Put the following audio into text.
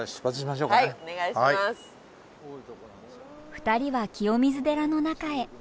２人は清水寺の中へ。